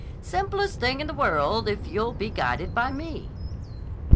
"Simplest thing in the world if you'll be guided by me."